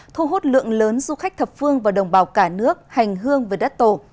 thu hút lượng lớn du khách thập phương và đồng bào cả nước hành hương về đất tổ